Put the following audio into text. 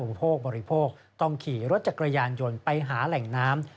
ผู้โภคบริโภคต้องขี่รถจักรยานยนต์ไปหาแหล่งน้ำ